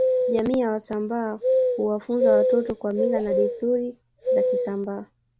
Jamii ya wasambaa huwafunza watoto kwa Mila na desturi za kisambaa